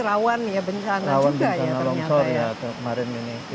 rawan bencana longsor ya kemarin ini